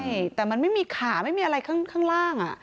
ใช่แต่มันไม่มีขาไม่มีอะไรข้างล่าง